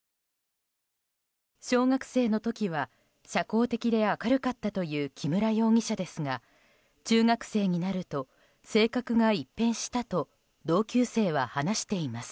小学生の時は社交的で明るかったという木村容疑者ですが中学生になると性格が一変したと同級生は話しています。